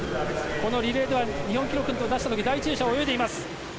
リレーでは日本記録を出した時第１泳者を泳いでいます。